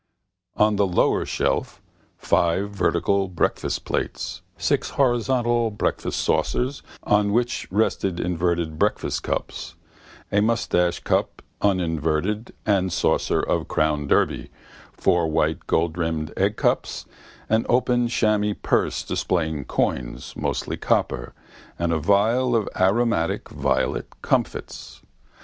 On the lower shelf five vertical breakfast plates, six horizontal breakfast saucers on which rested inverted breakfast cups, a moustachecup, uninverted, and saucer of Crown Derby, four white goldrimmed eggcups, an open shammy purse displaying coins, mostly copper, and a phial of aromatic (violet) comfits.